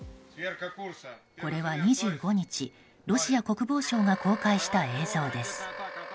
これは２５日、ロシア国防省が公開した映像です。